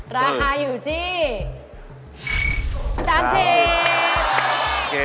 ราคาอยู่ที่๓๐บาท